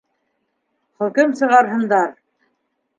—Хөкөм сығарһындар!